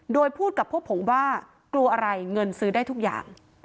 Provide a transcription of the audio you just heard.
โดยพูดกับพวกผมว่ากลัวอะไรเงินซื้อได้ทุกอย่าง